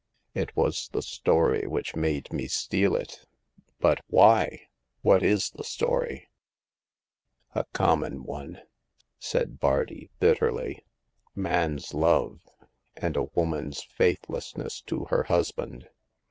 It was the story which made me steal it." " But why ? What is the story ?"" A common one,'* said Bardi, bitterly —" man's love and a woman's faithlessness to her husband.